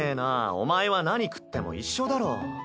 お前は何食っても一緒だろ。